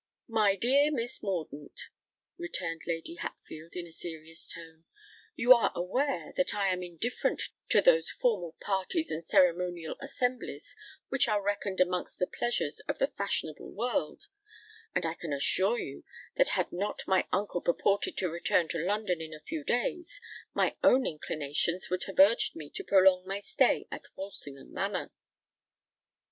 "My dear Miss Mordaunt," returned Lady Hatfield, in a serious tone, "you are aware that I am indifferent to those formal parties and ceremonial assemblies which are reckoned amongst the pleasures of the fashionable world; and I can assure you that had not my uncle purported to return to London in a few days, my own inclinations would have urged me to prolong my stay at Walsingham Manor."